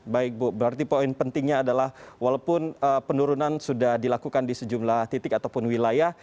baik bu berarti poin pentingnya adalah walaupun penurunan sudah dilakukan di sejumlah titik ataupun wilayah